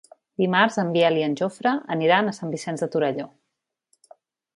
Dimarts en Biel i en Jofre aniran a Sant Vicenç de Torelló.